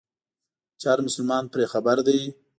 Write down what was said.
چې هر مسلمان پرې خبر دی.